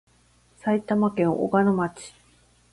埼玉県小鹿野町